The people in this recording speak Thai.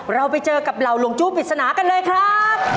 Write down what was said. เราไปเจอกับเหล่าหลวงจู้ปริศนากันเลยครับ